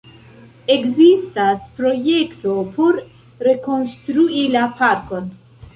Ekzistas projekto por rekonstrui la parkon.